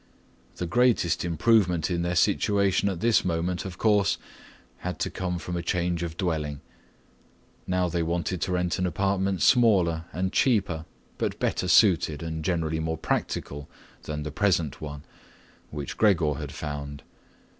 The greatest improvement in their situation at this moment, of course, had to come from a change of dwelling. Now they wanted to rent an apartment smaller and cheaper but better situated and generally more practical than the present one, which Gregor had found.